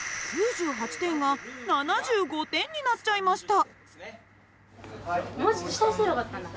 ９８点が７５点になっちゃいました。